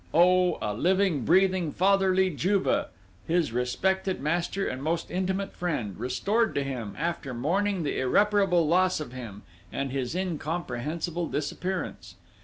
Oh, a living, breathing, fatherly Juve: his respected master and most intimate friend restored to him, after mourning the irreparable loss of him and his incomprehensible disappearance!